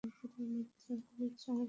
আমি চার্লস কিম্বল।